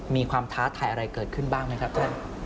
ท้าทายอะไรเกิดขึ้นบ้างไหมครับท่าน